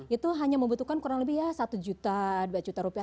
itu hanya membutuhkan kurang lebih ya satu juta dua juta rupiah